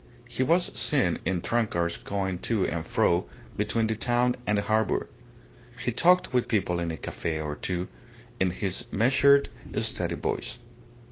He was seen in tramcars going to and fro between the town and the harbour; he talked with people in a cafe or two in his measured, steady voice.